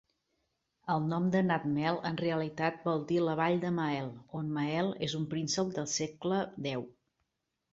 El nom "Nantmel" en realitat vol dir "la vall de Mael", on Mael és un príncep de segle X.